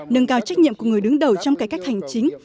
nâng cao trách nhiệm của người đứng đầu trong cải cách hành chính